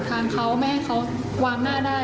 ไม่ให้เขาวางหน้าได้